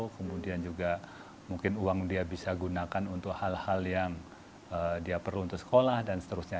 kemudian juga mungkin uang dia bisa gunakan untuk hal hal yang dia perlu untuk sekolah dan seterusnya